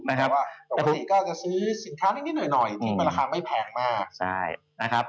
ปกติก็จะซื้อสินค้านิดหน่อยมีราคาไม่แพงมาก